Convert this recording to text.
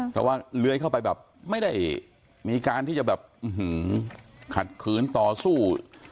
เพราะว่าเลื้อยเข้าไปแบบไม่ได้มีการที่จะแบบขัดขืนต่อสู้